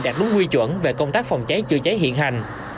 đạt đúng quy chuẩn về công tác phòng cháy chữa cháy hiện hành